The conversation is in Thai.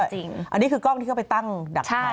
มองกล้องด้วยอันนี้คือกล้องที่เขาไปตั้งดักถ่ายเอาไหวใช่ไหม